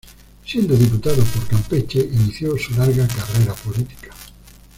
Siendo diputado por Campeche inició su larga carrera política.